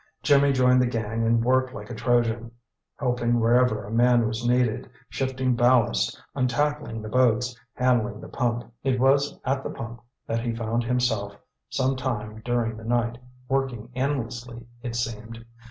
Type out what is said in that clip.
Jimmy joined the gang and worked like a Trojan, helping wherever a man was needed, shifting ballast, untackling the boats, handling the pump. It was at the pump that he found himself, some time during the night, working endlessly, it seemed.